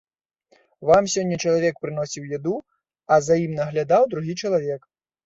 Вам сёння чалавек прыносіў яду, а за ім наглядаў другі чалавек.